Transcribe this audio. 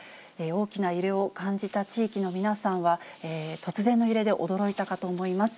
大きな揺れを感じた地域の皆さんは、突然の揺れで驚いたかと思います。